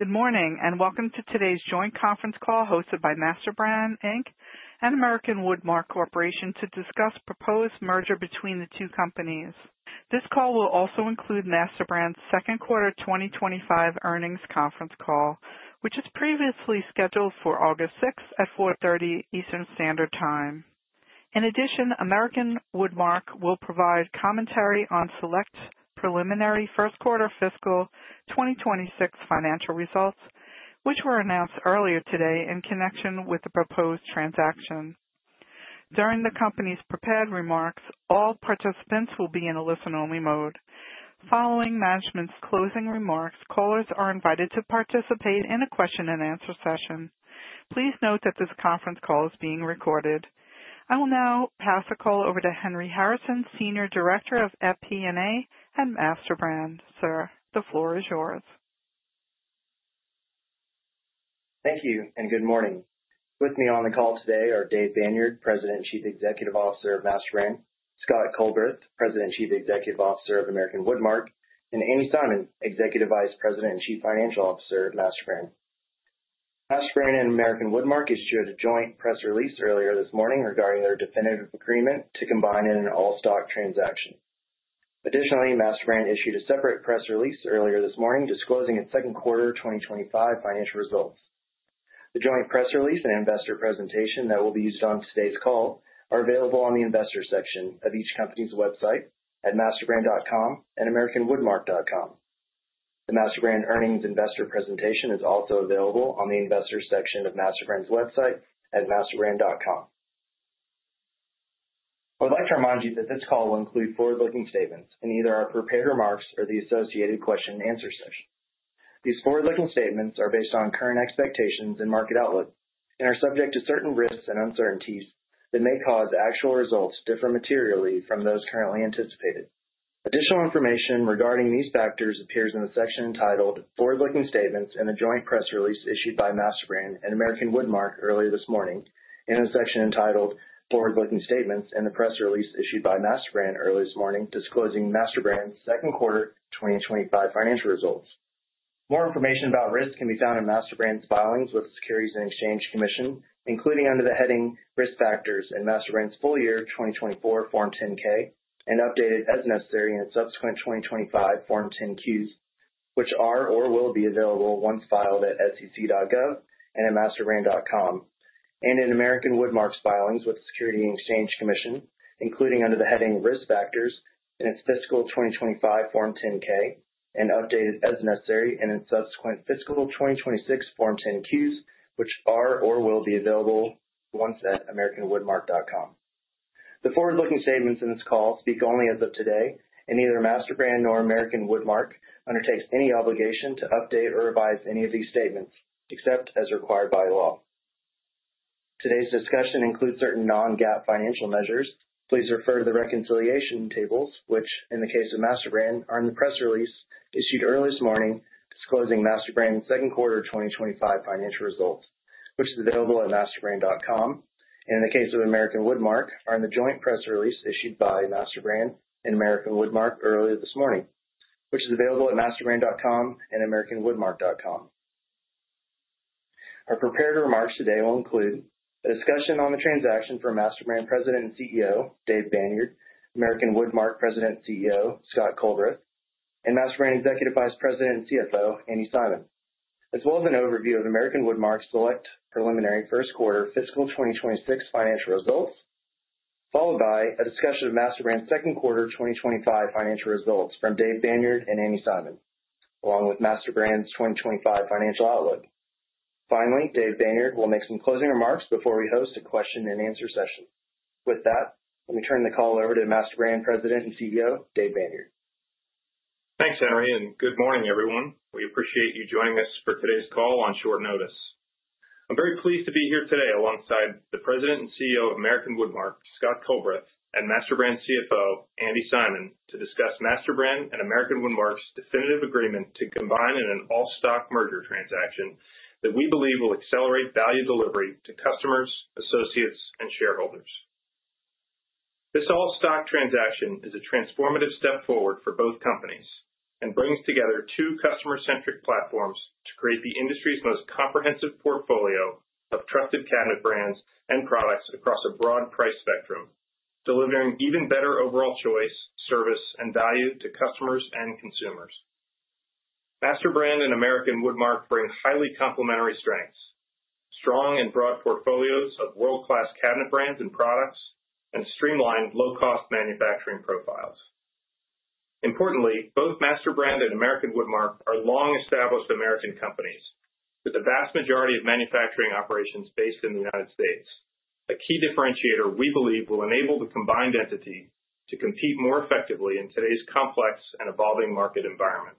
Good morning and welcome to today's joint conference call hosted by MasterBrand Inc. and American Woodmark Corporation to discuss the Proposed Merger Between The Two Companies. This call will also include MasterBrand's Second Quarter 2025 Earnings Conference Call, which was previously scheduled for August 6th at 4:30 P.M. Eastern Standard Time. In addition, American Woodmark will provide commentary on select preliminary First Quarter Fiscal 2026 Financial Results, which were announced earlier today in connection with the proposed transaction. During the company's prepared remarks, all participants will be in a listen-only mode. Following management's closing remarks, callers are invited to participate in a Question-And-Answer Session. Please note that this conference call is being recorded. I will now pass the call over to Henry Harrison, Senior Director of Financial Planning and Analysis at MasterBrand. Sir, the floor is yours. Thank you and good morning. With me on the call today are Dave Banyard, President and Chief Executive Officer of MasterBrand; Scott Colbert, President and Chief Executive Officer of American Woodmark; and Andrea Simon, Executive Vice President and Chief Financial Officer at MasterBrand. MasterBrand and American Woodmark issued a joint press release earlier this morning regarding their definitive agreement to combine in an All-Stock Transaction. Additionally, MasterBrand issued a separate press release earlier this morning disclosing its Second Quarter 2025 Financial Results. The joint press release and investor presentation that will be used on today's call are available on the investors' section of each company's website at masterbrand.com and americanwoodmark.com. The MasterBrand Earnings Investor Presentation is also available on the investors' section of MasterBrand's website at masterbrand.com. I would like to remind you that this call will include Forward-Looking Statements in either our prepared remarks or the associated Question-And-Answer Session. These Forward-Looking Statements are based on current expectations and market outlook and are subject to certain risks and uncertainties that may cause actual results to differ materially from those currently anticipated. Additional information regarding these factors appears in the section entitled "Forward-Looking Statements in a Joint Press Release Issued by MasterBrand and American Woodmark" earlier this morning and in a section entitled "Forward-Looking Statements in a Press Release Issued by MasterBrand" earlier this morning disclosing MasterBrand's Second Quarter 2025 Financial Results. More information about risks can be found in MasterBrand's filings with the Securities and Exchange Commission, including under the heading "Risk Factors" in MasterBrand's Full-Year 2024 Form 10-K and updated as necessary in its subsequent 2025 Form 10-Qs, which are or will be available once filed at sec.gov and at masterbrand.com and in American Woodmark's filings with the Securities and Exchange Commission, including under the heading "Risk Factors" in its Fiscal 2025 Form 10-K and updated as necessary in its subsequent Fiscal 2026 Form 10-Qs, which are or will be available once at americanwoodmark.com. The Forward-Looking Statements in this call speak only as of today, and neither MasterBrand nor American Woodmark undertakes any obligation to update or revise any of these statements except as required by law. Today's discussion includes certain non-GAAP Financial Measures. Please refer to the reconciliation tables, which in the case of MasterBrand are in the press release issued earlier this morning disclosing MasterBrand's Second Quarter 2025 Financial Results, which is available at masterbrand.com, and in the case of American Woodmark are in the joint press release issued by MasterBrand and American Woodmark earlier this morning, which is available at masterbrand.com and americanwoodmark.com. Our prepared remarks today will include a discussion on the transaction for MasterBrand President and CEO Dave Banyard, American Woodmark President and CEO Scott Colbert, and MasterBrand Executive Vice President and CFO Andrea Simon, as well as an overview of American Woodmark's select preliminary first quarter fiscal 2026 financial results, followed by a discussion of MasterBrand's second quarter 2025 financial results from Dave Banyard and Andrea Simon, along with MasterBrand's 2025 financial outlook. Finally, Dave Banyard will make some closing remarks before we host a Question-And-Answer session. With that, let me turn the call over to MasterBrand President and CEO Dave Banyard. Thanks, Henry, and good morning, everyone. We appreciate you joining us for today's call on short notice. I'm very pleased to be here today alongside the President and CEO of American Woodmark, Scott Colbert, and MasterBrand CFO Andrea Simon to discuss MasterBrand and American Woodmark's definitive agreement to combine in an all-stock merger transaction that we believe will accelerate value delivery to customers, associates, and shareholders. This All-Stock transaction is a transformative step forward for both companies and brings together two customer-centric platforms to create the industry's most comprehensive portfolio of trusted cabinet brands and products across a broad price spectrum, delivering even better overall choice, service, and value to customers and consumers. MasterBrand and American Woodmark bring highly complementary strengths: strong and broad portfolios of world-class cabinet brands and products, and streamlined low-cost manufacturing profiles. Importantly, both MasterBrand and American Woodmark are long-established American companies with the vast majority of manufacturing operations based in the United States, a key differentiator we believe will enable the combined entity to compete more effectively in today's complex and evolving market environment.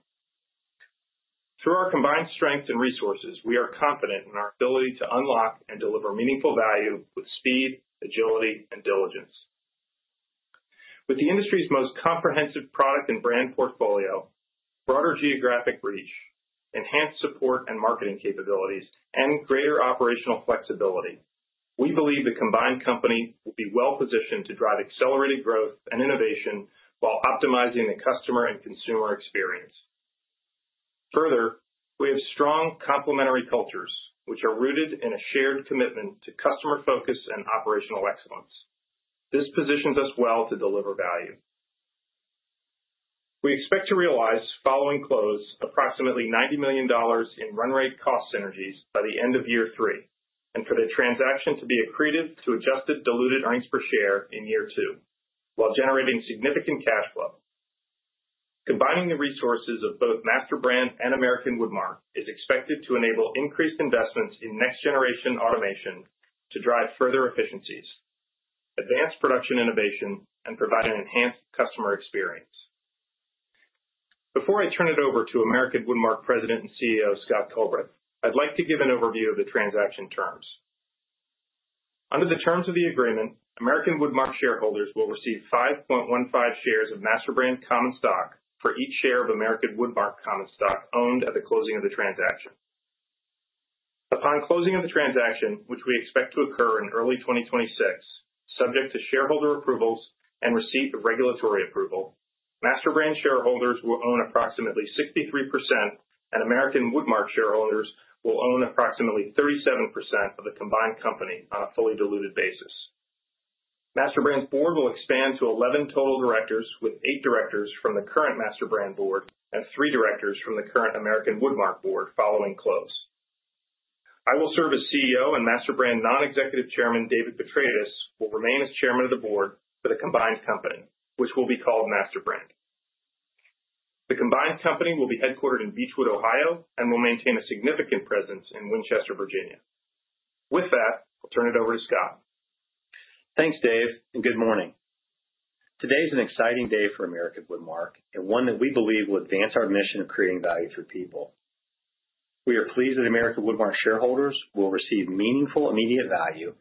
Through our combined strengths and resources, we are confident in our ability to unlock and deliver meaningful value with speed, agility, and diligence. With the industry's most comprehensive product and brand portfolio, broader geographic reach, enhanced support and marketing capabilities, and greater operational flexibility, we believe the combined company will be well-positioned to drive accelerated growth and innovation while optimizing the customer and consumer experience. Further, we have strong complementary cultures, which are rooted in a shared commitment to customer focus and operational excellence. This positions us well to deliver value. We expect to realize, following close, approximately $90 million in Run-Rate Cost Synergies by the end of Year Three and for the transaction to be accretive to Adjusted Diluted EPS in Year Two, while generating significant cash flow. Combining the resources of both MasterBrand and American Woodmark is expected to enable increased investments in next-generation automation to drive further efficiencies, advance production innovation, and provide an enhanced customer experience. Before I turn it over to American Woodmark President and CEO Scott Colbert, I'd like to give an overview of the transaction terms. Under the terms of the agreement, American Woodmark shareholders will receive 5.15 shares of MasterBrand common stock for each share of American Woodmark common stock owned at the closing of the transaction. Upon closing of the transaction, which we expect to occur in early 2026, subject to shareholder approvals and receipt of regulatory approval, MasterBrand shareholders will own approximately 63%, and American Woodmark shareholders will own approximately 37% of the combined company on a fully diluted basis. MasterBrand's board will expand to 11 total directors, with eight directors from the current MasterBrand board and three directors from the current American Woodmark board following close. I will serve as CEO, and MasterBrand non-executive chairman David Petraitis will remain as chairman of the board for the combined company, which will be called MasterBrand. The combined company will be headquartered in Beachwood, Ohio, and will maintain a significant presence in Winchester, Virginia. With that, I'll turn it over to Scott. Thanks, Dave, and good morning. Today is an exciting day for MasterBrand and one that we believe will advance our mission of creating value for people. We are pleased that MasterBrand shareholders will receive meaningful immediate value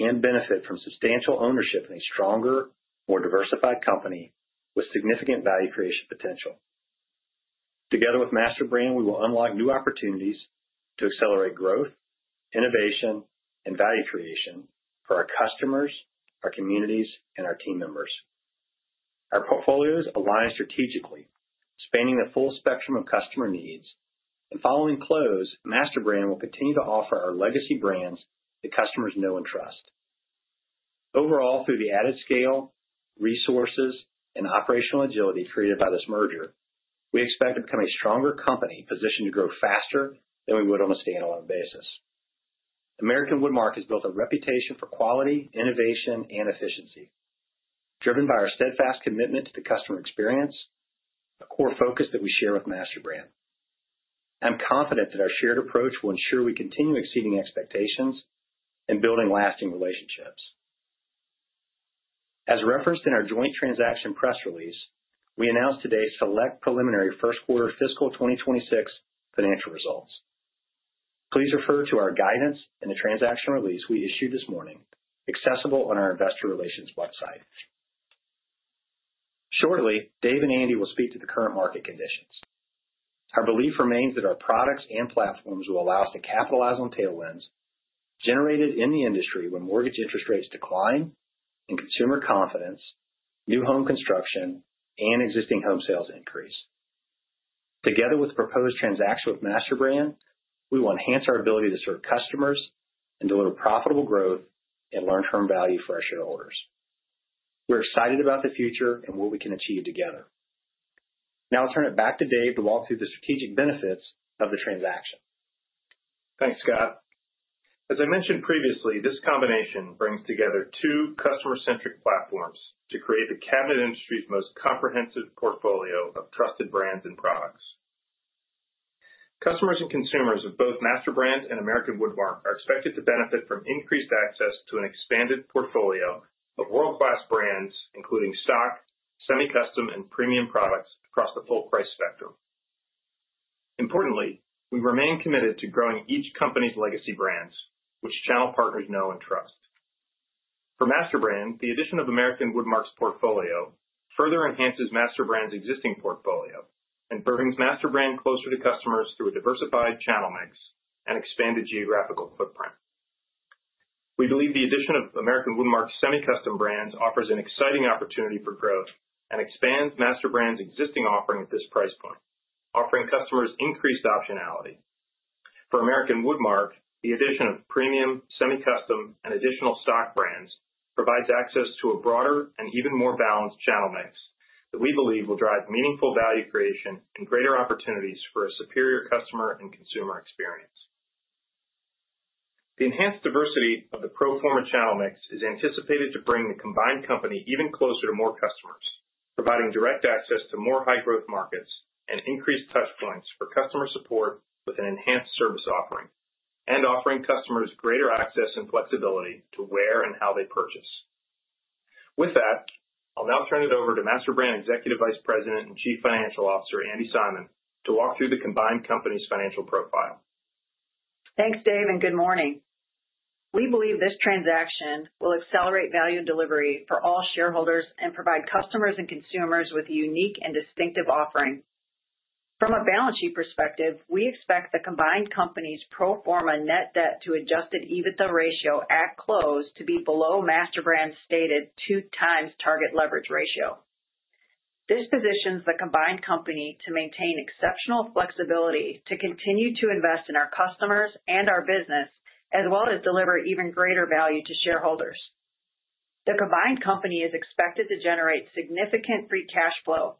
and benefit from substantial ownership in a stronger, more diversified company with significant value creation potential. Together with American Woodmark, we will unlock new opportunities to accelerate growth, innovation, and value creation for our customers, our communities, and our team members. Our portfolios align strategically, spanning the full spectrum of customer needs, and following close, MasterBrand will continue to offer our legacy brands that customers know and trust. Overall, through the added scale, resources, and operational agility created by this merger, we expect to become a stronger company positioned to grow faster than we would on a standalone basis. MasterBrand has built a reputation for quality, innovation, and efficiency, driven by our steadfast commitment to the customer experience, a core focus that we share with American Woodmark. I'm confident that our shared approach will ensure we continue exceeding expectations and building lasting relationships. As referenced in our joint transaction press release, we announced today's select preliminary First-Quarter Fiscal 2026 Financial Results. Please refer to our guidance and the transaction release we issued this morning, accessible on our investor relations website. Shortly, Dave and Andrea will speak to the current market conditions. Our belief remains that our products and platforms will allow us to capitalize on tailwinds generated in the industry when mortgage interest rates decline and consumer confidence, new home construction, and existing home sales increase. Together with the proposed transaction with American Woodmark, we will enhance our ability to serve customers and deliver profitable growth and long-term value for our shareholders. We're excited about the future and what we can achieve together. Now I'll turn it back to Dave to walk through the strategic benefits of the transaction. Thanks, Scott. As I mentioned previously, this combination brings together two customer-centric platforms to create the cabinet industry's most comprehensive portfolio of trusted brands and products. Customers and consumers of both MasterBrand and American Woodmark are expected to benefit from increased access to an expanded portfolio of world-class brands, including stock, semi-custom, and premium products across the full price spectrum. Importantly, we remain committed to growing each company's legacy brands, which channel partners know and trust. For MasterBrand, the addition of American Woodmark's portfolio further enhances MasterBrand's existing portfolio and brings MasterBrand closer to customers through a diversified channel mix and expanded geographical footprint. We believe the addition of American Woodmark's semi-custom brands offers an exciting opportunity for growth and expands MasterBrand's existing offering at this price point, offering customers increased optionality. For American Woodmark, the addition of premium, semi-custom, and additional stock brands provides access to a broader and even more balanced channel mix that we believe will drive meaningful value creation and greater opportunities for a superior customer and consumer experience. The enhanced diversity of the pro forma channel mix is anticipated to bring the combined company even closer to more customers, providing direct access to more high-growth markets and increased touchpoints for customer support with an enhanced service offering and offering customers greater access and flexibility to where and how they purchase. With that, I'll now turn it over to MasterBrand Executive Vice President and Chief Financial Officer Andrea Simon to walk through the combined company's financial profile. Thanks, Dave, and good morning. We believe this transaction will accelerate value and delivery for all shareholders and provide customers and consumers with a unique and distinctive offering. From a Balance sheet perspective, we expect the combined company's Pro Forma Net Debt to Adjusted EBITDA ratio at close to be below MasterBrand's stated 2x target Leverage Ratio. This positions the combined company to maintain exceptional flexibility to continue to invest in our customers and our business, as well as deliver even greater value to shareholders. The combined company is expected to generate significant Free Cash Flow,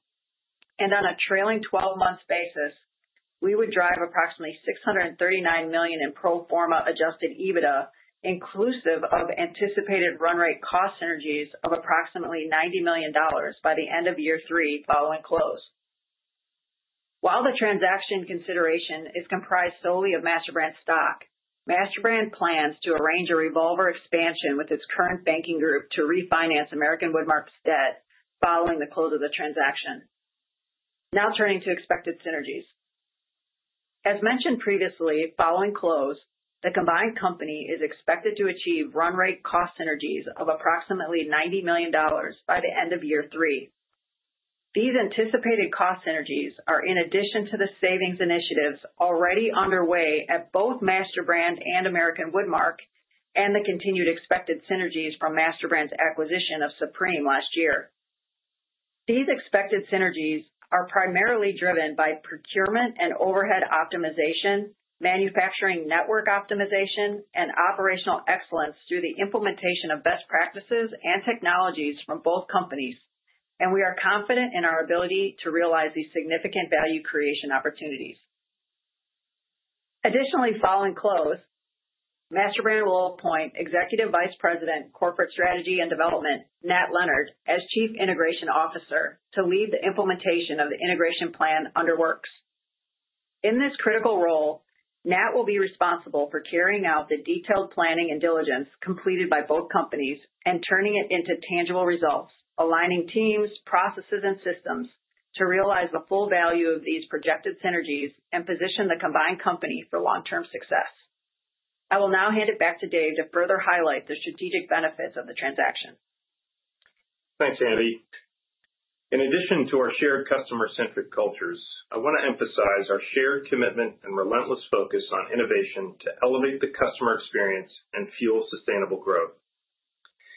and on a trailing 12-month basis, we would drive approximately $639 million in pro forma Adjusted EBITDA, inclusive of anticipated Run-Rate Cost Synergies of approximately $90 million by the end of year three following close. While the transaction consideration is comprised solely of MasterBrand stock, MasterBrand plans to arrange a Revolver expansion with its current banking group to refinance American Woodmark's debt following the close of the transaction. Now turning to expected synergies. As mentioned previously, following close, the combined company is expected to achieve Run-Rate Cost Synergies of approximately $90 million by the end of year three. These anticipated cost synergies are in addition to the savings initiatives already underway at both MasterBrand and American Woodmark and the continued expected synergies from MasterBrand's acquisition of Supreme Cabinetry Brands last year. These expected synergies are primarily driven by procurement and overhead optimization, manufacturing network optimization, and operational excellence through the implementation of best practices and technologies from both companies, and we are confident in our ability to realize these significant value creation opportunities. Additionally, following close, MasterBrand will appoint Executive Vice President, Corporate Strategy and Development, Nat Leonard, as Chief Integration Officer to lead the implementation of the integration plan under work. In this critical role, Nat will be responsible for carrying out the detailed planning and diligence completed by both companies and turning it into tangible results, aligning teams, processes, and systems to realize the full value of these projected synergies and position the combined company for long-term success. I will now hand it back to Dave to further highlight the strategic benefits of the transaction. Thanks, Andrea. In addition to our shared customer-centric cultures, I want to emphasize our shared commitment and relentless focus on innovation to elevate the customer experience and fuel sustainable growth.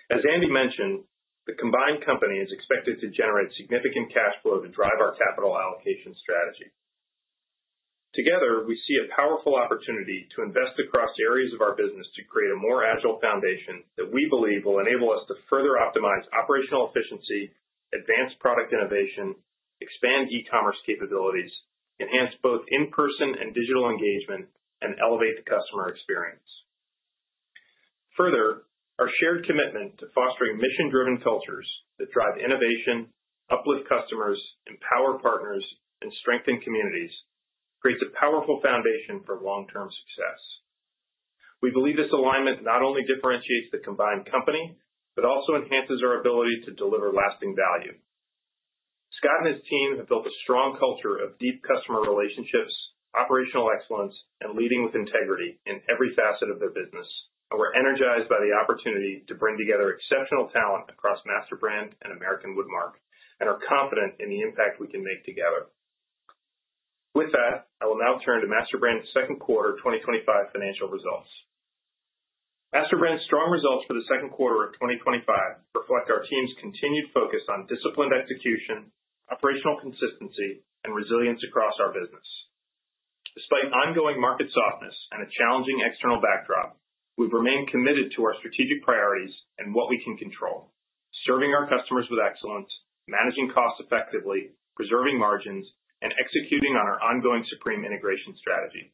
As Andrea mentioned, the combined company is expected to generate significant cash flow to drive our capital allocation strategy. Together, we see a powerful opportunity to invest across areas of our business to create a more agile foundation that we believe will enable us to further optimize operational efficiency, advance product innovation, expand e-commerce capabilities, enhance both in-person and digital engagement, and elevate the customer experience. Further, our shared commitment to fostering mission-driven cultures that drive innovation, uplift customers, empower partners, and strengthen communities creates a powerful foundation for long-term success. We believe this alignment not only differentiates the combined company but also enhances our ability to deliver lasting value. Scott and his team have built a strong culture of deep customer relationships, operational excellence, and leading with integrity in every facet of their business. We're energized by the opportunity to bring together exceptional talent across MasterBrand and American Woodmark and are confident in the impact we can make together. With that, I will now turn to MasterBrand's second quarter 2025 financial results. MasterBrand's strong results for the second quarter of 2025 reflect our team's continued focus on disciplined execution, operational consistency, and resilience across our business. Despite ongoing market softness and a challenging external backdrop, we've remained committed to our strategic priorities and what we can control: serving our customers with excellence, managing costs effectively, preserving margins, and executing on our ongoing Supreme integration strategy.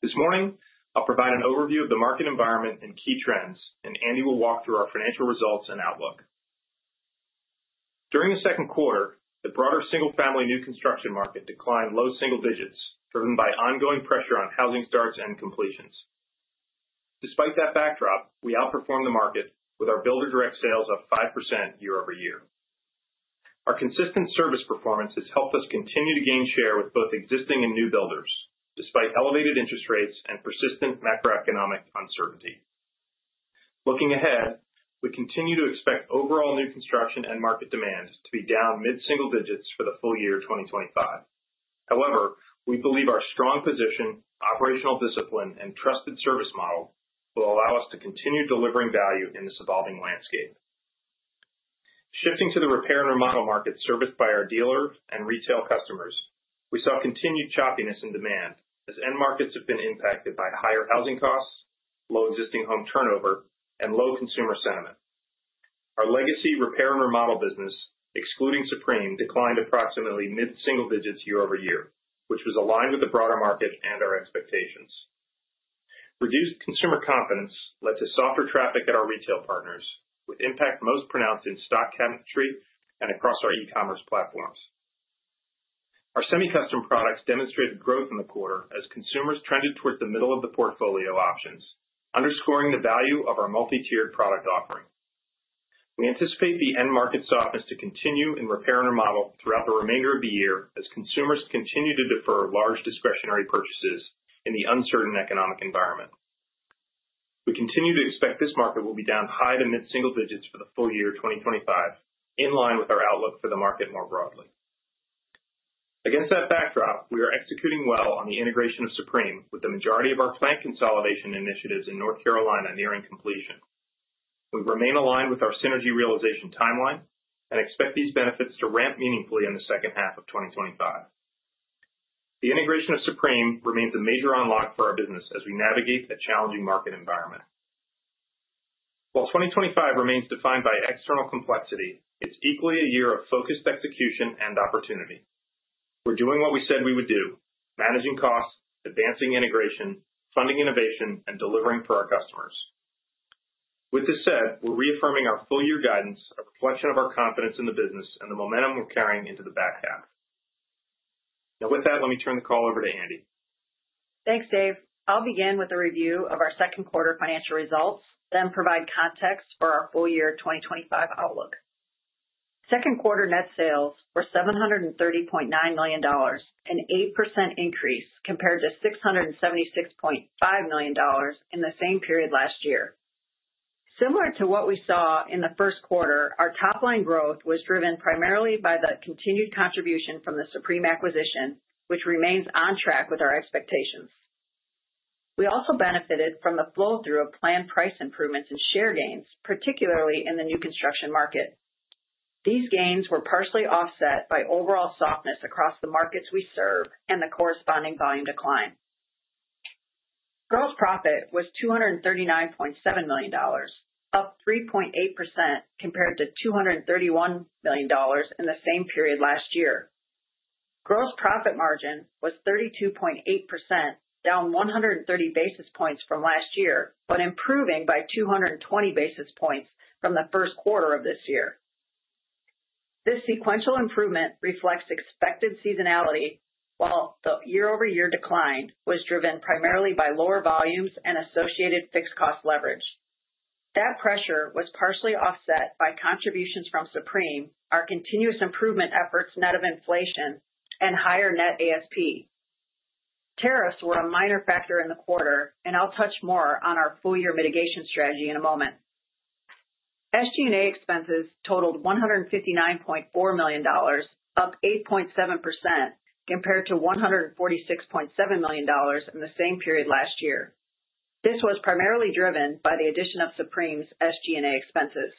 This morning, I'll provide an overview of the market environment and key trends, and Andrea will walk through our financial results and outlook. During the second quarter, the broader single-family new construction market declined low single digits, driven by ongoing pressure on housing starts and completions. Despite that backdrop, we outperformed the market with our builder-direct sales up 5% year over year. Our consistent service performance has helped us continue to gain share with both existing and new builders, despite elevated interest rates and persistent macroeconomic uncertainty. Looking ahead, we continue to expect overall new construction and market demand to be down mid-single digits for the full year 2025. However, we believe our strong position, operational discipline, and trusted service model will allow us to continue delivering value in this evolving landscape. Shifting to the repair and remodel markets serviced by our dealer and retail customers, we saw continued choppiness in demand as end markets have been impacted by higher housing costs, low existing home turnover, and low consumer sentiment. Our legacy repair and remodel business, excluding Supreme, declined approximately mid-single digits year over year, which was aligned with the broader market and our expectations. Reduced consumer confidence led to softer traffic at our retail partners, with impact most pronounced in stock cabinetry and across our e-commerce platforms. Our semi-custom products demonstrated growth in the quarter as consumers trended towards the middle of the portfolio options, underscoring the value of our multi-tiered product offering. We anticipate the end market softness to continue in repair and remodel throughout the remainder of the year as consumers continue to defer large discretionary purchases in the uncertain economic environment. We continue to expect this market will be down high to mid-single digits for the full year 2025, in line with our outlook for the market more broadly. Against that backdrop, we are executing well on the integration of Supreme Cabinetry Brands, with the majority of our planned consolidation initiatives in North Carolina nearing completion. We remain aligned with our synergy realization timeline and expect these benefits to ramp meaningfully in the second half of 2025. The integration of Supreme Cabinetry Brands remains a major unlock for our business as we navigate a challenging market environment. While 2025 remains defined by external complexity, it's equally a year of focused execution and opportunity. We're doing what we said we would do: managing costs, advancing integration, funding innovation, and delivering for our customers. With this said, we're reaffirming our full-year guidance, a reflection of our confidence in the business and the momentum we're carrying into the back half. Now, with that, let me turn the call over to Andrea. Thanks, Dave. I'll begin with a review of our second quarter financial results, then provide context for our full-year 2025 outlook. Second quarter net sales were $730.9 million, an 8% increase compared to $676.5 million in the same period last year. Similar to what we saw in the first quarter, our top-line growth was driven primarily by the continued contribution from the Supreme Cabinetry Brands acquisition, which remains on track with our expectations. We also benefited from the flow-through of planned price improvements and share gains, particularly in the new construction market. These gains were partially offset by overall softness across the markets we serve and the corresponding volume decline. Gross profit was $239.7 million, up 3.8% compared to $231 million in the same period last year. Gross profit margin was 32.8%, down 130 basis points from last year, but improving by 220 basis points from the first quarter of this year. This sequential improvement reflects expected seasonality, while the year-over-year decline was driven primarily by lower volumes and associated fixed cost leverage. That pressure was partially offset by contributions from Supreme Cabinetry Brands, our continuous improvement efforts net of inflation, and higher net ASP. Tariffs were a minor factor in the quarter, and I'll touch more on our full-year mitigation strategy in a moment. SG&A expenses totaled $159.4 million, up 8.7% compared to $146.7 million in the same period last year. This was primarily driven by the addition of Supreme Cabinetry Brands' SG&A expenses.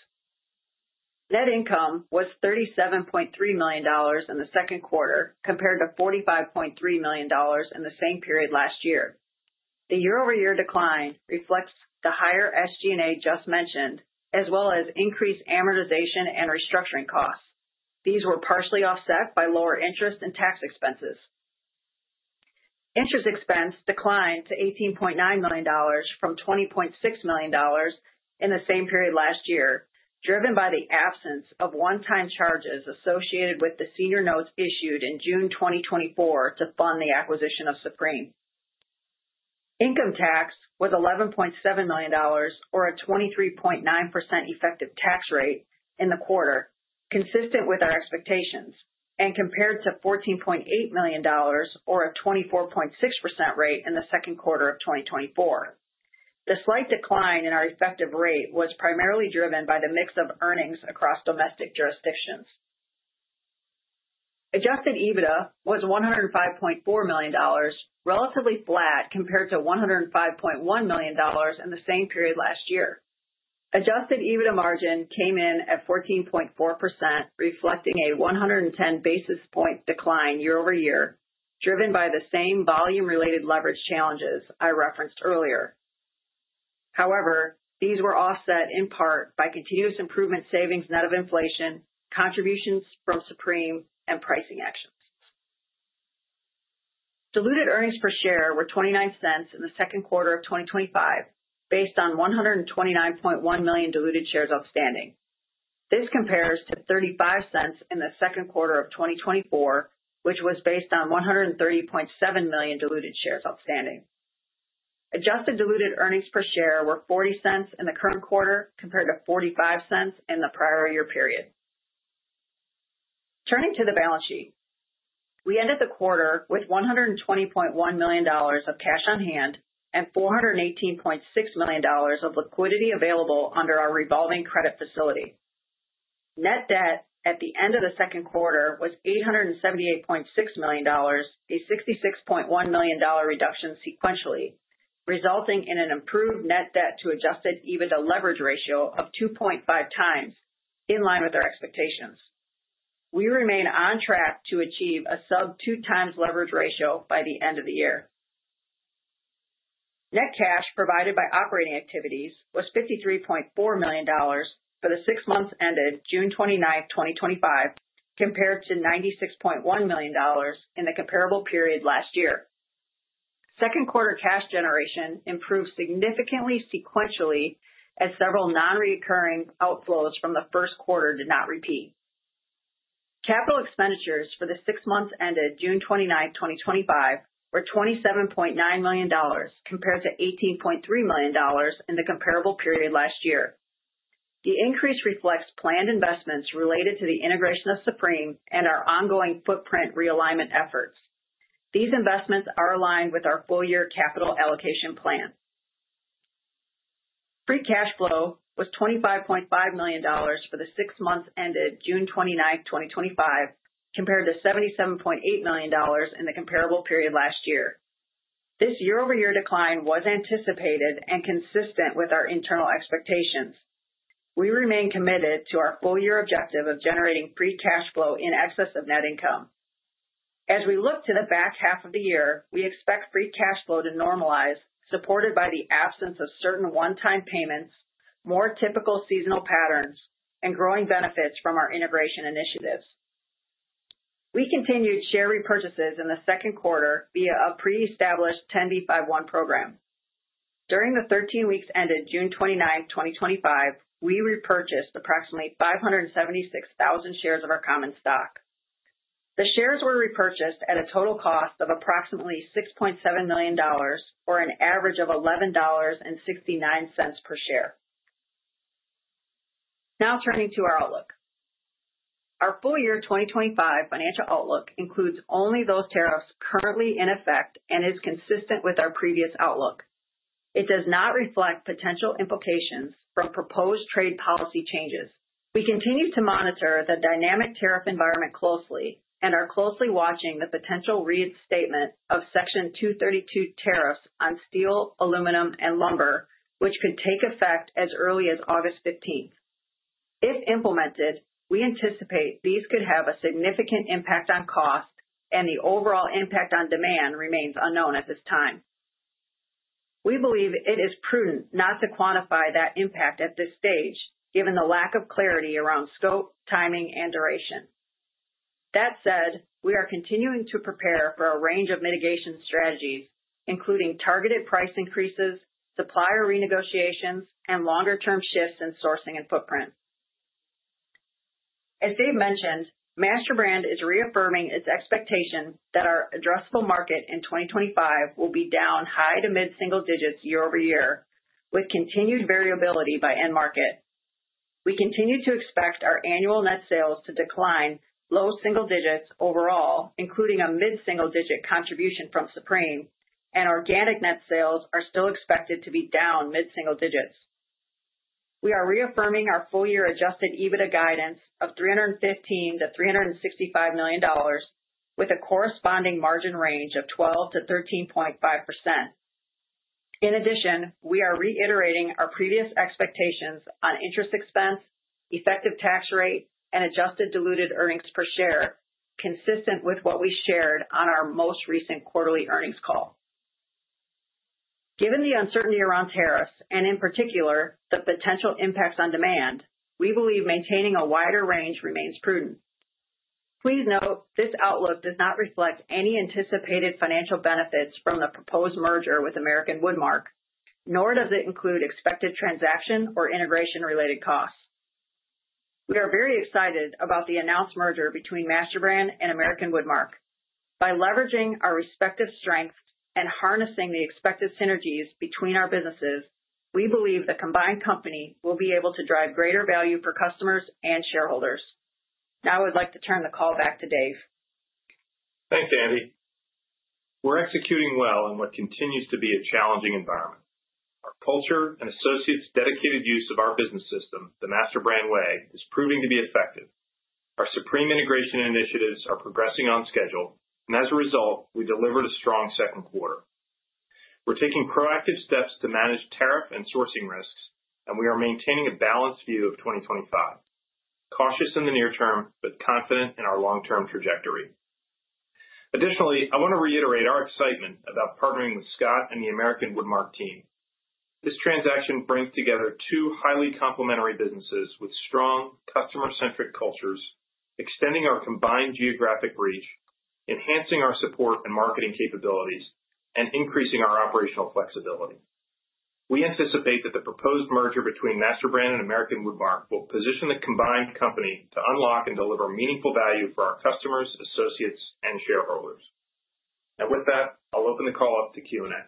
Net income was $37.3 million in the second quarter compared to $45.3 million in the same period last year. The year-over-year decline reflects the higher SG&A just mentioned, as well as increased amortization and restructuring costs. These were partially offset by lower interest and tax expenses. Interest expense declined to $18.9 million from $20.6 million in the same period last year, driven by the absence of one-time charges associated with the senior notes issued in June 2024 to fund the acquisition of Supreme Cabinetry Brands. Income tax was $11.7 million, or a 23.9% Effective Tax Rate in the quarter, consistent with our expectations, and compared to $14.8 million, or a 24.6% rate in the second quarter of 2024. The slight decline in our effective rate was primarily driven by the mix of earnings across domestic jurisdictions. Adjusted EBITDA was $105.4 million, relatively flat compared to $105.1 million in the same period last year. Adjusted EBITDA margin came in at 14.4%, reflecting a 110 basis point decline year over year, driven by the same volume-related leverage challenges I referenced earlier. However, these were offset in part by continuous improvement savings net of inflation, contributions from Supreme, and pricing actions. Diluted earnings per share were $0.29 in the second quarter of 2025, based on 129.1 million diluted shares outstanding. This compares to $0.35 in the second quarter of 2024, which was based on 130.7 million diluted shares outstanding. Adjusted Diluted Earnings Per Share were $0.40 in the current quarter compared to $0.45 in the prior year period. Turning to the balance sheet, we ended the quarter with $120.1 million of cash on hand and $418.6 million of liquidity available under our revolving credit facility. Net Debt at the end of the second quarter was $878.6 million, a $66.1 million reduction sequentially, resulting in an improved Net Debt to Adjusted EBITDA Leverage Ratio of 2.5x, in line with our expectations. We remain on track to achieve a sub-2 times Leverage Ratio by the end of the year. Net cash provided by operating activities was $53.4 million for the six months ended June 29, 2025, compared to $96.1 million in the comparable period last year. Second quarter cash generation improved significantly sequentially as several non-recurring outflows from the first quarter did not repeat. Capital expenditures for the six months ended June 29, 2025, were $27.9 million compared to $18.3 million in the comparable period last year. The increase reflects planned investments related to the integration of Supreme and our ongoing footprint realignment efforts. These investments are aligned with our full-year capital allocation plan. Free Cash Flow was $25.5 million for the six months ended June 29, 2025, compared to $77.8 million in the comparable period last year. This year-over-year decline was anticipated and consistent with our internal expectations. We remain committed to our full-year objective of generating Free Cash Flow in excess of net income. As we look to the back half of the year, we expect Free Cash Flow to normalize, supported by the absence of certain one-time payments, more typical seasonal patterns, and growing benefits from our integration initiatives. We continued share repurchases in the second quarter via a pre-established 10b5-1 Program. During the 13 weeks ended June 29, 2025, we repurchased approximately 576,000 shares of our common stock. The shares were repurchased at a total cost of approximately $6.7 million, or an average of $11.69 per share. Now turning to our outlook. Our full-year 2025 financial outlook includes only those tariffs currently in effect and is consistent with our previous outlook. It does not reflect potential implications from proposed trade policy changes. We continue to monitor the dynamic tariff environment closely and are closely watching the potential reinstatement of Section 232 Tariffs on steel, aluminum, and lumber, which could take effect as early as August 15. If implemented, we anticipate these could have a significant impact on cost, and the overall impact on demand remains unknown at this time. We believe it is prudent not to quantify that impact at this stage, given the lack of clarity around scope, timing, and duration. That said, we are continuing to prepare for a range of mitigation strategies, including targeted price increases, supplier renegotiations, and longer-term shifts in sourcing and footprint. As Dave mentioned, MasterBrand is reaffirming its expectation that our addressable market in 2025 will be down high to mid-single digits year over year, with continued variability by end market. We continue to expect our annual net sales to decline low single digits overall, including a mid-single digit contribution from Supreme, and organic net sales are still expected to be down mid-single digits. We are reaffirming our full-year Adjusted EBITDA guidance of $315-$365 million, with a corresponding margin range of 12%-13.5%. In addition, we are reiterating our previous expectations on interest expense, Effective Tax Rate, and Adjusted Diluted Earnings Per Share, consistent with what we shared on our most recent quarterly earnings call. Given the uncertainty around tariffs and in particular the potential impacts on demand, we believe maintaining a wider range remains prudent. Please note, this outlook does not reflect any anticipated financial benefits from the proposed merger with American Woodmark, nor does it include expected transaction or integration-related costs. We are very excited about the announced merger between MasterBrand and American Woodmark. By leveraging our respective strengths and harnessing the expected synergies between our businesses, we believe the combined company will be able to drive greater value for customers and shareholders. Now I would like to turn the call back to Dave. Thanks, Andrea. We're executing well in what continues to be a challenging environment. Our culture and associates' dedicated use of our business system, the MasterBrand Way, is proving to be effective. Our Supreme integration initiatives are progressing on schedule, and as a result, we delivered a strong second quarter. We're taking proactive steps to manage tariff and sourcing risks, and we are maintaining a balanced view of 2025, cautious in the near term but confident in our long-term trajectory. Additionally, I want to reiterate our excitement about partnering with Scott and the American Woodmark team. This transaction brings together two highly complementary businesses with strong customer-centric cultures, extending our combined geographic reach, enhancing our support and marketing capabilities, and increasing our operational flexibility. We anticipate that the proposed merger between MasterBrand and American Woodmark will position the combined company to unlock and deliver meaningful value for our customers, associates, and shareholders. Now, with that, I'll open the call up to Q&A.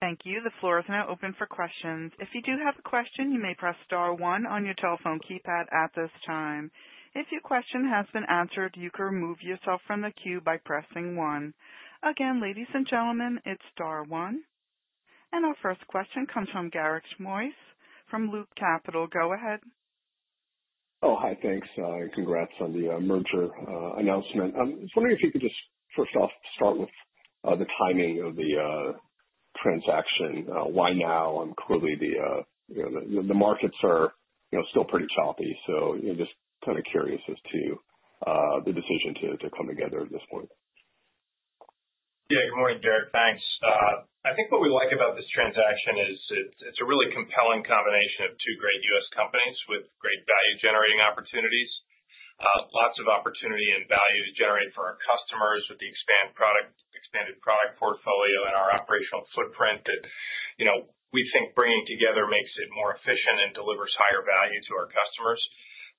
Thank you. The floor is now open for questions. If you do have a question, you may press star one on your telephone keypad at this time. If your question has been answered, you can remove yourself from the queue by pressing one. Again, ladies and gentlemen, it's star one. Our first question comes from Garik Shmois from Loop Capital. Go ahead. Oh, hi. Thanks. Congrats on the merger announcement. I was wondering if you could just, first off, start with the timing of the transaction. Why now? Clearly, the markets are still pretty choppy. I'm just kind of curious as to the decision to come together at this point. Yeah, good morning, Garik. Thanks. I think what we like about this transaction is it's a really compelling combination of two great U.S. companies with great value-generating opportunities, lots of opportunity and value to generate for our customers with the expanded product portfolio and our operational footprint that, you know, we think bringing together makes it more efficient and delivers higher value to our customers.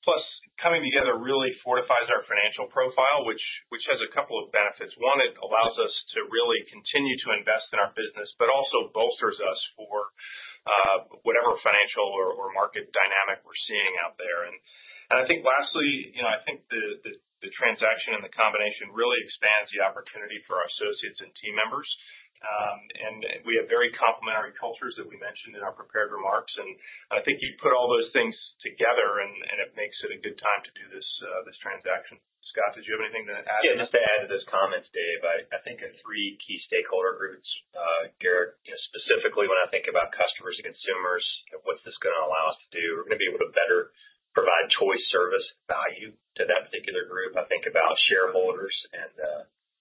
Plus, coming together really fortifies our financial profile, which has a couple of benefits. One, it allows us to really continue to invest in our business, but also bolsters us for whatever financial or market dynamic we're seeing out there. Lastly, I think the transaction and the combination really expands the opportunity for our associates and team members. We have very complementary cultures that we mentioned in our prepared remarks. I think you put all those things together, and it makes it a good time to do this transaction. Scott, did you have anything to add? I'm just going to add to those comments, Dave. I think in three key stakeholder groups, Garik, specifically when I think about customers and consumers, what's this going to allow us to do? We're going to be able to better provide choice, service, value to that particular group. I think about shareholders and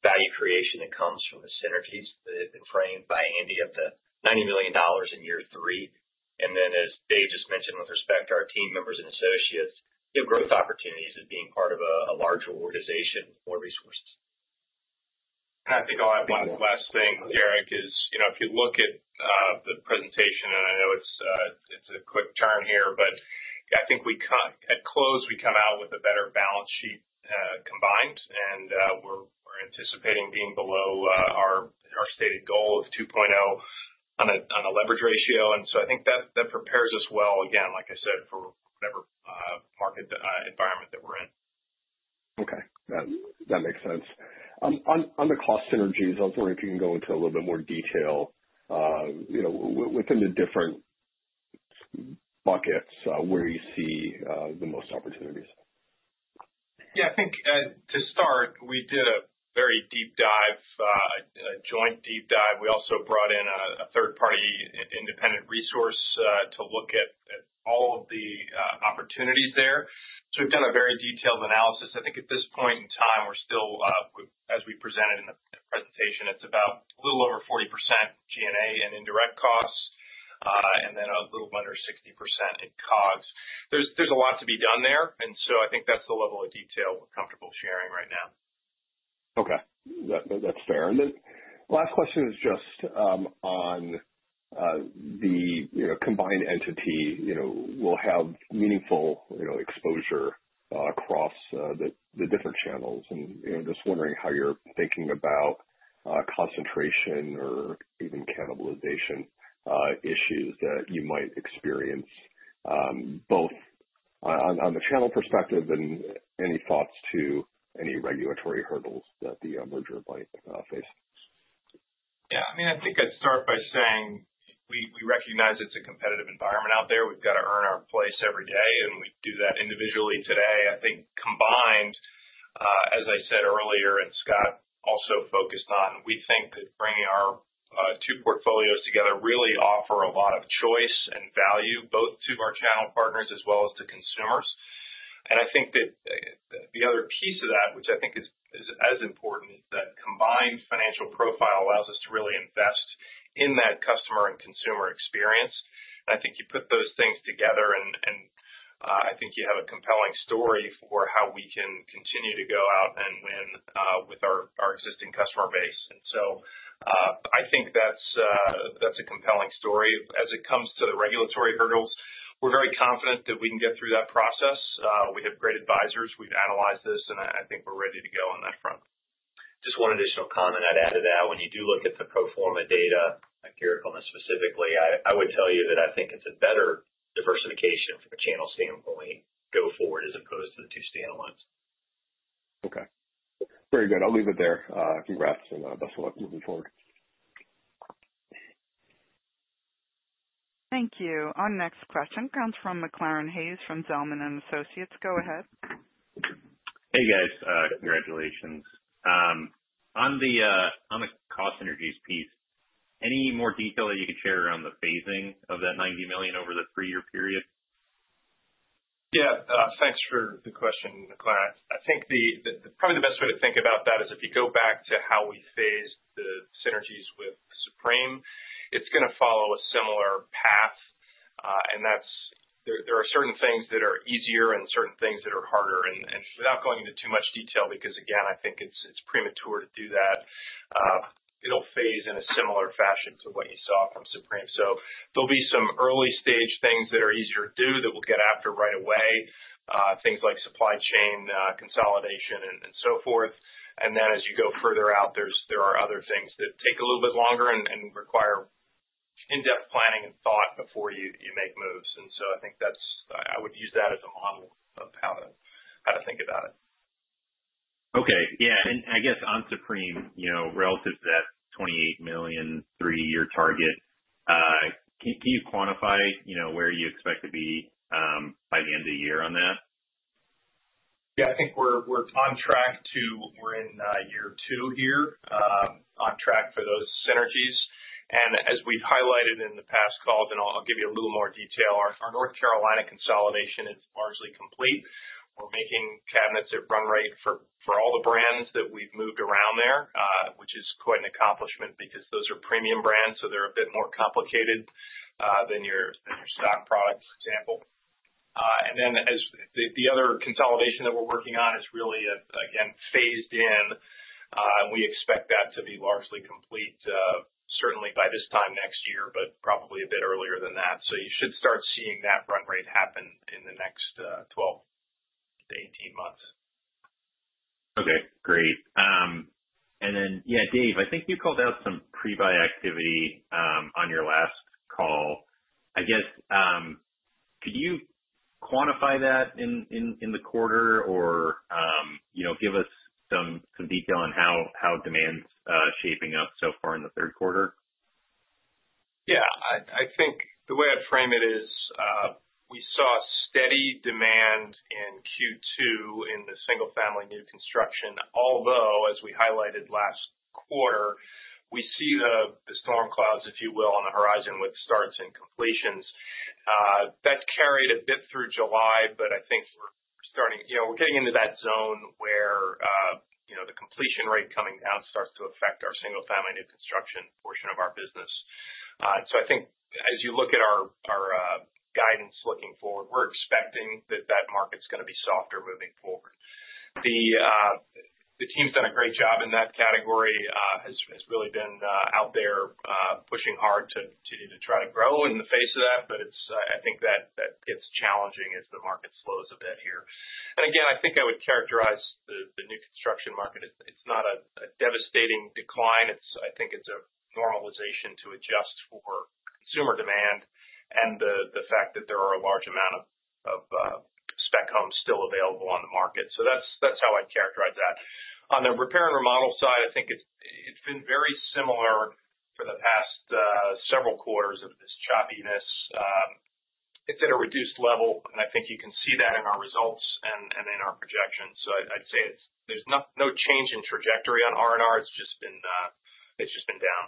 value creation that comes from the synergies that have been framed by Andrea at the $90 million in year three. Then, as Dave just mentioned, with respect to our team members and associates, growth opportunities as being part of a larger organization or resources. I think I'll add one last thing, Garik, you know, if you look at the presentation, and I know it's a quick turn here, but I think we cut at close, we come out with a better balance sheet combined, and we're anticipating being below our stated goal of 2.0x on the Leverage Ratio. I think that prepares us well, again, like I said, for whatever market environment that we're in. Okay. That makes sense. On the cost synergies, I was wondering if you can go into a little bit more detail, you know, within the different buckets, where you see the most opportunities. I think to start, we did a very deep dive, a joint deep dive. We also brought in a third-party independent resource to look at all of the opportunities there. We've done a very detailed analysis. I think at this point in time, as we presented in the presentation, it's about a little over 40% G&A and indirect costs, and then a little under 60% in costs. There's a lot to be done there. I think that's the level of detail we're comfortable sharing right now. Okay. That's fair. The last question is just on the combined entity. You know, we'll have meaningful exposure across the different channels, and you know, just wondering how you're thinking about concentration or even cannibalization issues that you might experience, both on the channel perspective and any thoughts to any regulatory hurdles that the merger might face. Yeah, I mean, I think I'd start by saying we recognize it's a competitive environment out there. We've got to earn our place every day, and we do that individually today. I think combined, as I said earlier, and Scott also focused on, we think that bringing our two portfolios together really offers a lot of choice and value both to our channel partners as well as to consumers. I think that the other piece of that, which I think is as important, is that combined financial profile allows us to really invest in that customer and consumer experience. I think you put those things together, and you have a compelling story for how we can continue to go out and win with our existing customer base. That's a compelling story. As it comes to the regulatory hurdles, we're very confident that we can get through that process. We have great advisors. We've analyzed this, and I think we're ready to go on that front. Just one additional comment I'd add to that. When you do look at the pro forma data here at MasterBrand specifically, I would tell you that I think it's a better diversification from a channel standpoint going forward as opposed to the two standalones. Okay. Very good. I'll leave it there. Congrats for the float moving forward. Thank you. Our next question comes from McClaran Hayes from Zelman and Associates. Go ahead. Hey, guys. Congratulations. On the cost synergies piece, any more detail that you could share around the phasing of that $90 million over the three-year period? Yeah, thanks for the question, McClaran. I think probably the best way to think about that is if you go back to how we phased the synergies with Supreme, it's going to follow a similar path. There are certain things that are easier and certain things that are harder. Without going into too much detail, because again, I think it's premature to do that, it'll phase in a similar fashion to what you saw from Supreme. There will be some early-stage things that are easier to do that we'll get after right away, things like supply chain consolidation and so forth. As you go further out, there are other things that take a little bit longer and require in-depth planning and thought before you make moves. I think that's, I would use that as a model of how to think about it. Okay. Yeah, I guess on Supreme, you know, relative to that $28 million three-year target, can you quantify, you know, where you expect to be by the end of the year on that? Yeah, I think we're on track to, we're in year two here, on track for those synergies. As we've highlighted in the past call, I'll give you a little more detail. Our North Carolina consolidation is largely complete. We're making cabinets at run rate for all the brands that we've moved around there, which is quite an accomplishment because those are premium brands, so they're a bit more complicated than your stock products, for example. The other consolidation that we're working on is really, again, phased in. We expect that to be largely complete, certainly by this time next year, but probably a bit earlier than that. You should start seeing that run rate happen in the next 12 to 18 months. Great. Dave, I think you called out some pre-buy activity on your last call. Could you quantify that in the quarter, or give us some detail on how demand's shaping up so far in the third quarter? Yeah, I think the way I'd frame it is we saw steady demand in Q2 in the single-family new construction, although, as we highlighted last quarter, we see the storm clouds, if you will, on the horizon with starts and completions. That's carried a bit through July, but I think we're starting, you know, we're getting into that zone where the completion rate coming down starts to affect our single-family new construction portion of our business. I think as you look at our guidance looking forward, we're expecting that that market's going to be softer moving forward. The team's done a great job in that category, has really been out there pushing hard to try to grow in the face of that, but I think that it's challenging as the market slows a bit here. I would characterize the new construction market as it's not a devastating decline. I think it's a normalization to adjust for consumer demand and the fact that there are a large amount of spec homes still available on the market. That's how I'd characterize that. On the repair and remodel side, I think it's been very similar for the past several quarters of this choppiness. It's at a reduced level, and I think you can see that in our results and in our projections. I'd say there's no change in trajectory on R&R. It's just been down.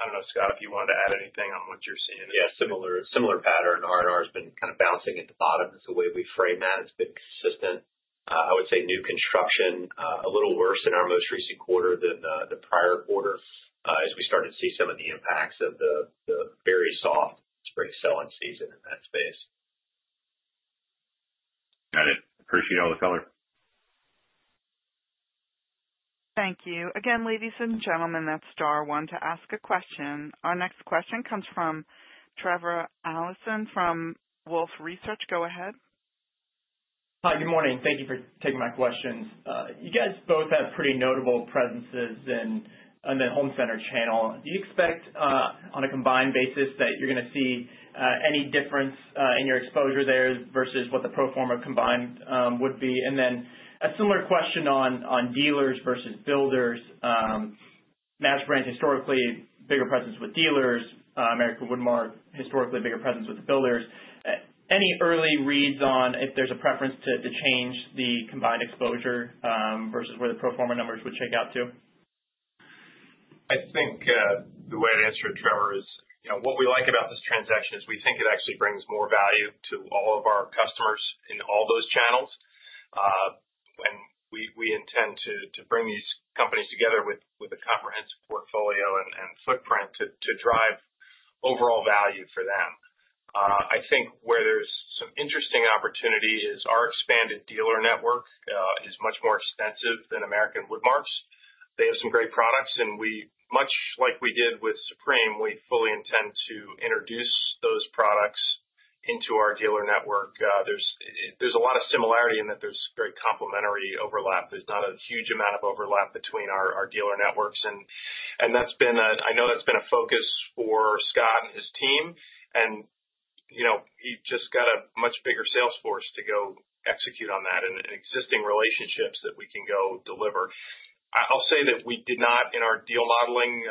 I don't know, Scott, if you wanted to add anything on what you're seeing. Yeah, similar pattern. R&R has been kind of bouncing at the bottom. That's the way we frame that. It's been consistent. I would say new construction a little worse in our most recent quarter than the prior quarter as we started to see some of the impacts of the very soft, very selling season in that space. Got it. Appreciate all the color. Thank you. Again, ladies and gentlemen, that's star one to ask a question. Our next question comes from Trevor Allison from Wolfe Research. Go ahead. Hi, good morning. Thank you for taking my questions. You guys both have pretty notable presences in the home center channel. Do you expect on a combined basis that you're going to see any difference in your exposure there versus what the pro forma combined would be? A similar question on dealers versus builders. MasterBrand's historically bigger presence with dealers. American Woodmark historically bigger presence with the builders. Any early reads on if there's a preference to change the combined exposure versus where the pro forma numbers would shake out to? I think the way I'd answer it, Trevor, is what we like about this transaction is we think it actually brings more value to all of our customers in all those channels. We intend to bring these companies together with a comprehensive portfolio and footprint to drive overall value for them. I think where there's some interesting opportunity is our expanded dealer network is much more extensive than American Woodmark's. They have some great products, and we, much like we did with Supreme Cabinetry Brands, fully intend to introduce those products into our dealer network. There's a lot of similarity in that there's very complementary overlap. There's not a huge amount of overlap between our dealer networks. I know that's been a focus for Scott and his team. He just got a much bigger sales force to go execute on that and existing relationships that we can go deliver. I'll say that we did not, in our deal modeling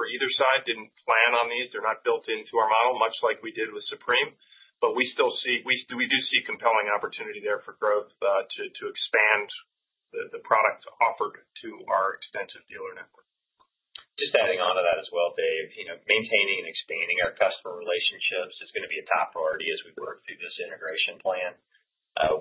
for either side, plan on these. They're not built into our model, much like we did with Supreme Cabinetry Brands. We still see, we do see compelling opportunity there for growth to expand the products offered to our extensive dealer network. Just adding on to that as well, Dave, you know, maintaining and expanding our customer relationships is going to be a top priority as we work through this integration plan.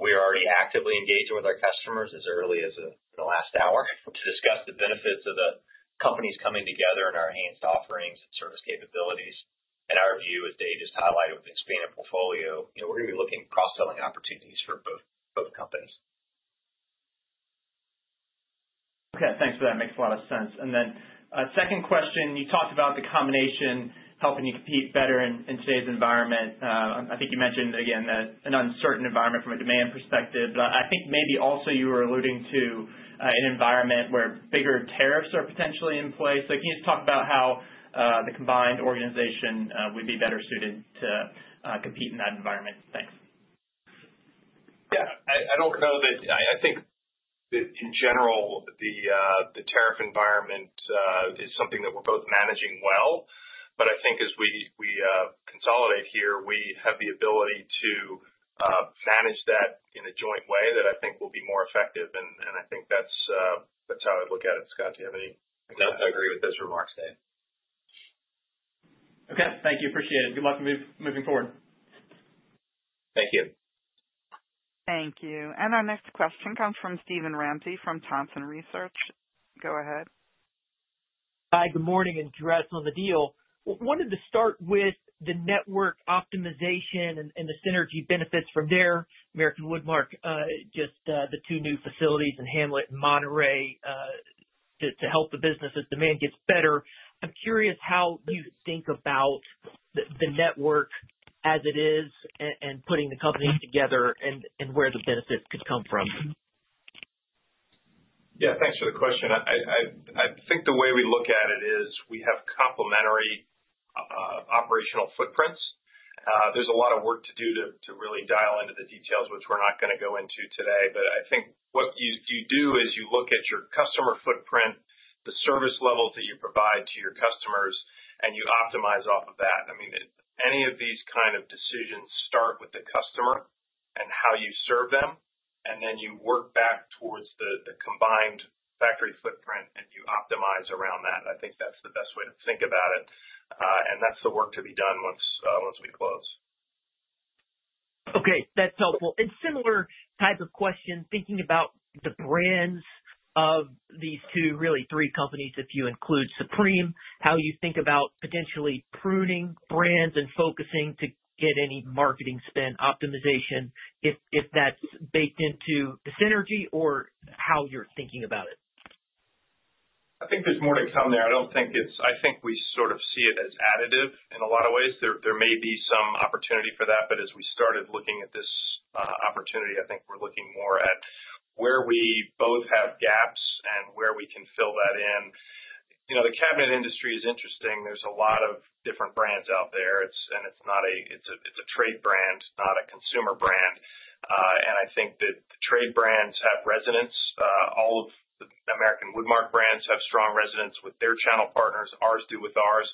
We're already actively engaging with our customers as early as the last hour to discuss the benefits of the companies coming together and our enhanced offerings and service capabilities. In our view, as Dave just highlighted with the expanded portfolio, you know, we're going to be looking at cross-selling opportunities for both companies. Okay. Thanks for that. Makes a lot of sense. A second question, you talked about the combination helping you compete better in today's environment. I think you mentioned, again, that an uncertain environment from a demand perspective, but I think maybe also you were alluding to an environment where bigger tariffs are potentially in play. Can you just talk about how the combined organization would be better suited to compete in that environment? Thanks. I don't know that I think that in general, the tariff environment is something that we're both managing well. I think as we consolidate here, we have the ability to manage that in a joint way that I think will be more effective. That's how I'd look at it. Scott, do you have any? I agree with those remarks, Dave. Okay. Thank you. Appreciate it. Good luck moving forward. Thank you. Thank you. Our next question comes from Steven Ramsey from Thompson Research. Go ahead. Hi, good morning, and congrats on the deal. Wanted to start with the network optimization and the synergy benefits from there. American Woodmark just the two new facilities in Hamlet and Monterrey to help the business as demand gets better. I'm curious how you think about the network as it is and putting the companies together and where the benefits could come from. Yeah, thanks for the question. I think the way we look at it is we have complementary operational footprints. There's a lot of work to do to really dial into the details, which we're not going to go into today. I think what you do is you look at your customer footprint, the service levels that you provide to your customers, and you optimize off of that. Any of these kind of decisions start with the customer and how you serve them, and then you work back towards the combined factory footprint and you optimize around that. I think that's the best way to think about it. That's the work to be done once we go. Okay. That's helpful. Similar type of question, thinking about the brands of these two, really three companies if you include Supreme Cabinetry Brands, how you think about potentially pruning brands and focusing to get any marketing spend optimization, if that's baked into the synergy or how you're thinking about it. I think there's more to come there. I think we sort of see it as additive in a lot of ways. There may be some opportunity for that. As we started looking at this opportunity, I think we're looking more at where we both have gaps and where we can fill that in. The cabinet industry is interesting. There are a lot of different brands out there. It is a trade brand, not a consumer brand. I think that the trade brands have resonance. All of the American Woodmark brands have strong resonance with their channel partners. Ours do with ours.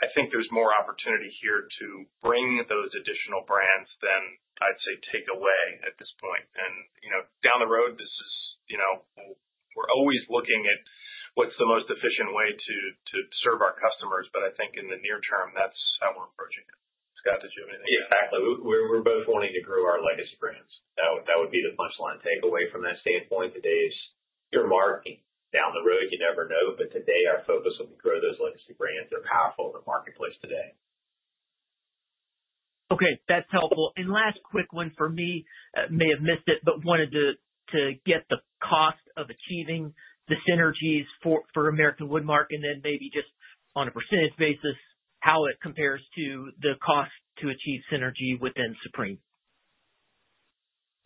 I think there's more opportunity here to bring those additional brands than I'd say take away at this point. Down the road, we are always looking at what's the most efficient way to serve our customers. I think in the near term, that's how we're approaching it. Scott, did you have anything? Yeah, exactly. We're both wanting to grow our legacy brands. That would be the punchline takeaway from that standpoint. Today's your market down the road, you never know. Today, our focus will be to grow those legacy brands. They're powerful in the marketplace today. Okay. That's helpful. Last quick one for me, may have missed it, but wanted to get the cost of achieving the synergies for American Woodmark and then maybe just on a % basis, how it compares to the cost to achieve synergy within Supreme.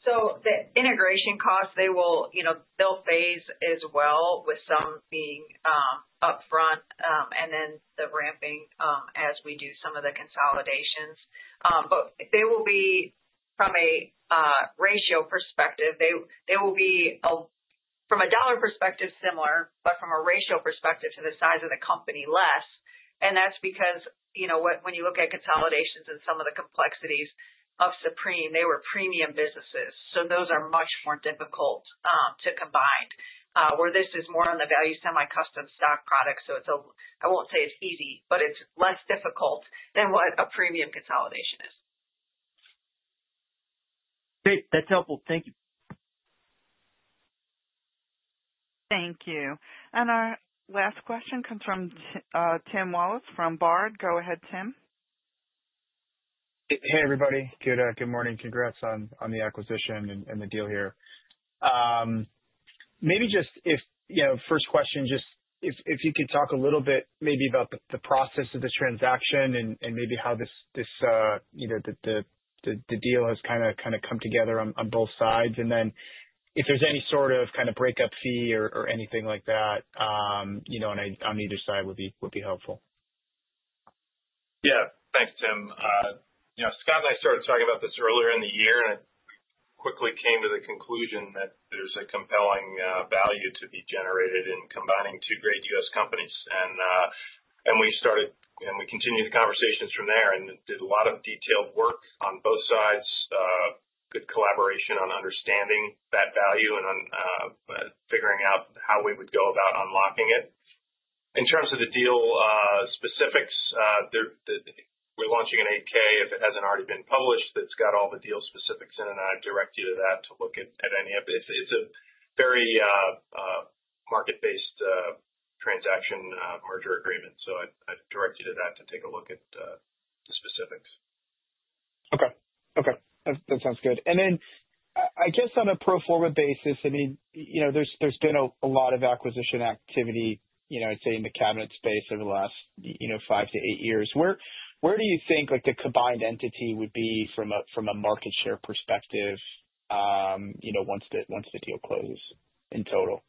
The integration costs will phase as well, with some being upfront and then ramping as we do some of the consolidations. They will be, from a ratio perspective, from a dollar perspective, similar, but from a ratio perspective to the size of the company, less. That is because, when you look at consolidations and some of the complexities of Supreme Cabinetry Brands, they were premium businesses. Those are much more difficult to combine, where this is more on the value, semi-custom, stock product. I won't say it's easy, but it's less difficult than what a premium consolidation is. Great. That's helpful. Thank you. Thank you. Our last question comes from Tim Wallace from Baird. Go ahead, Tim. Hey, everybody. Good morning. Congrats on the acquisition and the deal here. Maybe just if, you know, first question, if you could talk a little bit about the process of this transaction and how the deal has kind of come together on both sides. If there's any sort of breakup fee or anything like that on either side, that would be helpful. Yeah, thanks, Tim. Scott and I started talking about this earlier in the year, and it quickly came to the conclusion that there's a compelling value to be generated in combining two great U.S. companies. We started and continued the conversations from there and did a lot of detailed work on both sides, good collaboration on understanding that value and on figuring out how we would go about unlocking it. In terms of the deal specifics, we're launching an 8-K. If it hasn't already been published, that's got all the deal specifics in it, and I'd direct you to that to look at any of it. It's a very market-based transaction merger agreement. I'd direct you to that to take a look at specifics. Okay. That sounds good. I guess on a pro forma basis, there's been a lot of acquisition activity in the cabinet space over the last five to eight years. Where do you think the combined entity would be from a market share perspective once the deal closes in total?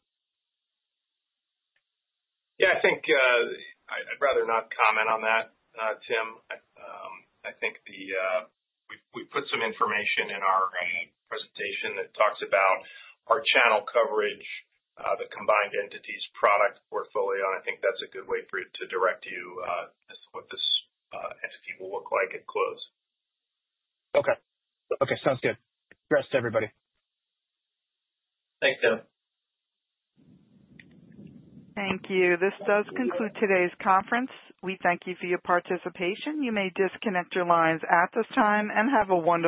Yeah, I think I'd rather not comment on that, Tim. I think we put some information in our presentation that talks about our channel coverage, the combined entities' product portfolio, and I think that's a good way to direct you to what this entity will look like at close. Okay. Okay. Sounds good. Rest of everybody. Thanks, Tim. Thank you. This does conclude today's conference. We thank you for your participation. You may disconnect your lines at this time and have a wonderful day.